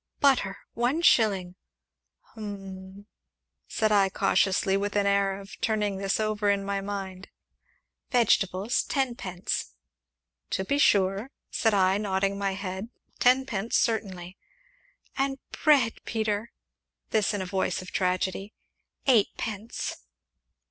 "Butter one shilling!" "Hum!" said I cautiously, and with the air of turning this over in my mind. "Vegetables tenpence!" "To be sure," said I, nodding my head, "tenpence, certainly." "And bread, Peter" (this in a voice of tragedy) " eightpence."